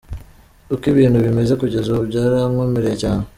"Uko ibintu bimeze kugeza ubu byarankomereye cyane.